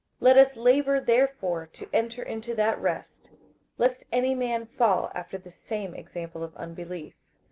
58:004:011 Let us labour therefore to enter into that rest, lest any man fall after the same example of unbelief.